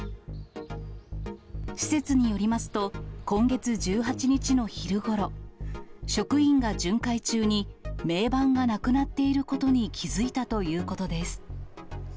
施設によりますと、今月１８日の昼ごろ、職員が巡回中に、銘板がなくなっていることに気付いたということです。